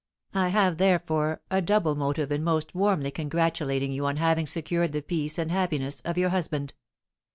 I have, therefore, a double motive in most warmly congratulating you on having secured the peace and happiness of your husband!"